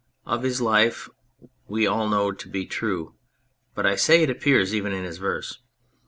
Of his life we all know it to be true, but I say it appears even in his verse.